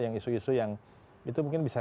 yang isu isu yang itu mungkin bisa